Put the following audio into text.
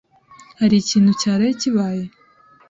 Hari ikintu cyaraye kibaye?